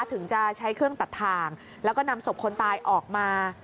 ถึงจะใช้เครื่องตัดทางแล้วก็นำศพคนตายออกมา